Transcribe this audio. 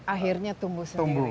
akhirnya tumbuh sendiri